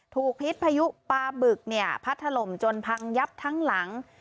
พิษพายุปลาบึกเนี่ยพัดถล่มจนพังยับทั้งหลัง